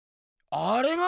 あれが！